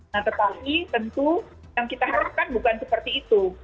nah tetapi tentu yang kita harapkan bukan seperti itu